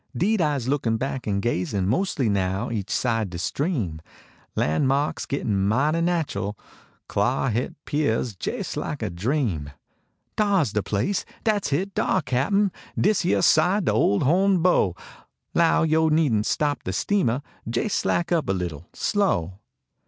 Deed Ise lookin back en ga/.in Mos ly now each side de stream. Lan marks gittin mighty natch l. Clar hit pears jais like a dream. Dar s de place ! Dat s hit, dar, cap n. His } ere side ole ole ho n bow ; Low yo needn t stop de steamah ; Jais slack up a leetle slow.